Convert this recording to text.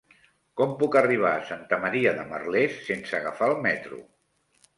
Com puc arribar a Santa Maria de Merlès sense agafar el metro?